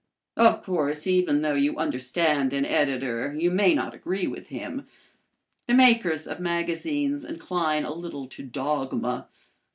Of course, even though you understand an editor you may not agree with him. The makers of magazines incline a little to dogma.